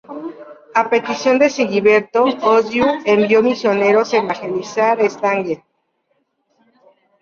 A petición de Sigeberto, Oswiu envió misioneros a evangelizar Estanglia.